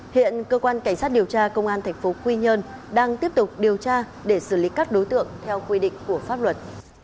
hiện cơ quan cảnh sát điều tra công an tp quy nhơn đang tiếp tục điều tra để xử lý các đối tượng theo quy định của pháp luật